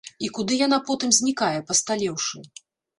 І куды яна потым знікае, пасталеўшы?